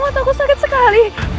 mataku sakit sekali